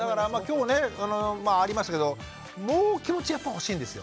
今日ねありましたけどもう気持ちやっぱ欲しいんですよ。